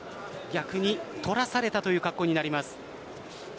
逆に取らされたという格好になります。